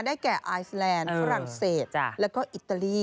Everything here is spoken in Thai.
แก่ไอซแลนด์ฝรั่งเศสแล้วก็อิตาลี